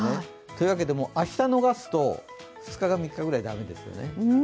というわけで明日逃すと二日か三日ぐらいだめです。